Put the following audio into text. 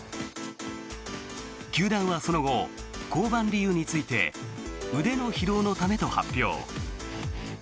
球団はその後、降板理由について腕の疲労のためと発表。